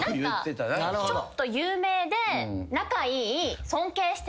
ちょっと有名で仲いい。